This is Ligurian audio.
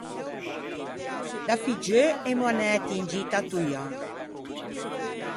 Da figgeu emo anæti in gita à Toian.